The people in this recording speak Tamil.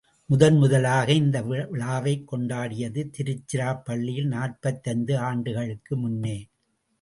முதன் முதலாக இந்த விழாவைக் கொண்டாடியது திருச்சிராப்பள்ளியில், நாற்பத்தைந்து ஆண்டுகளுக்கு முன்னே.